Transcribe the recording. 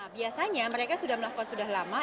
biasanya mereka sudah melakukan sudah lama